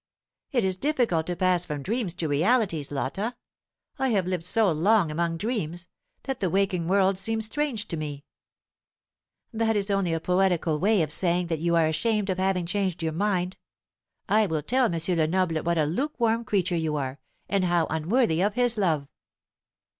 "It is difficult to pass from dreams to realities, Lotta. I have lived so long among dreams, that the waking world seems strange to me." "That is only a poetical way of saying that you are ashamed of having changed your mind. I will tell M. Lenoble what a lukewarm creature you are, and how unworthy of his love!"